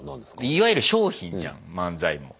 いわゆる商品じゃん漫才も。